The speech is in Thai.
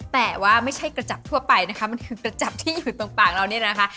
แต่ว่าไม่ใช่กระจับทั่วไปนะคะมันคือกระจับที่อยู่ตรงปากเราเนี่ยนะคะ